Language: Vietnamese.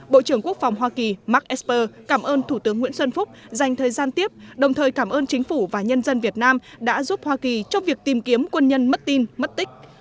bộ trưởng quốc phòng hoa kỳ mark esper cảm ơn thủ tướng nguyễn xuân phúc dành thời gian tiếp đồng thời cảm ơn chính phủ và nhân dân việt nam đã giúp hoa kỳ trong việc tìm kiếm quân nhân mất tin mất tích